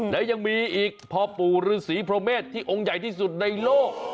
และยังมีอีกพ่อปู่ฤษีพรหมเมษที่องค์ใหญ่ที่สุดในโลก